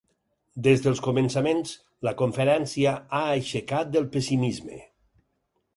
Des dels començaments, la conferència ha aixecat del pessimisme.